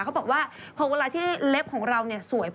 เขาบอกว่าพอเวลาที่เล็บของเราเนี่ยสวย